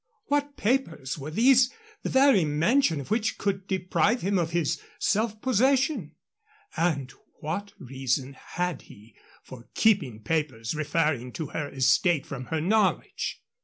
What papers were these the very mention of which could deprive him of his self possession? And what reason had he for keeping papers referring to her estate from her knowledge?